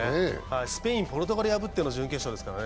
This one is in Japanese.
スペイン、ポルトガルを破っての準決勝ですからね。